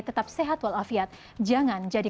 tetap sehat walafiat jangan jadi